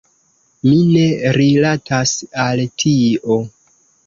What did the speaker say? Mi ne rilatas al tio.